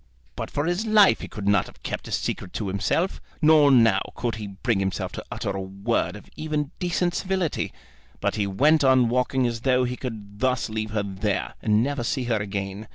But for his life he could not have kept his secret to himself. Nor now could he bring himself to utter a word of even decent civility. But he went on walking as though he could thus leave her there, and never see her again.